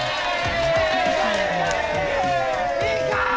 いいか！